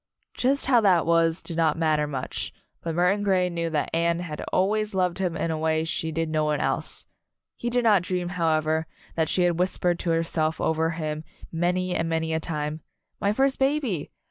Just how that was, did not matter much, but Murton Grey knew that Anne had always loved him in a way she did no one else. He did not dream, however, that she had whispered to herself over him, many and many a time, "My first baby!"